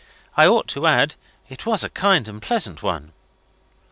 I ought to add, it was a kind and pleasant one."